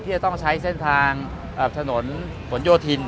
จะต้องใช้เส้นทางถนนผลโยธิน